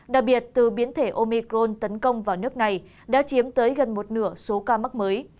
đặc biệt từ biến thể omicron tấn công vào nước này đã chiếm tới gần một nửa số ca mắc mới